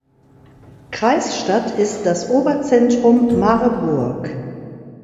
Kreisstadt ist das Oberzentrum Marburg.